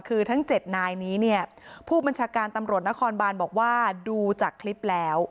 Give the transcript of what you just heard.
คือทั้ง๗นายนี้เนี่ยผู้บัญชาการตำรวจนครบานบอกว่าดูจากคลิปแล้ว